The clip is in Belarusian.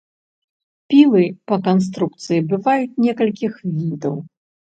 Пілы па канструкцыі бываюць некалькіх відаў.